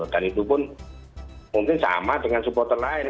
dan itu pun mungkin sama dengan supporter lain